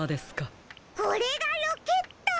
これがロケット。